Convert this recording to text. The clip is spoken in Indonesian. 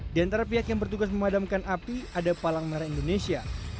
di antara pihak yang bertugas memadamkan api ada palang merah indonesia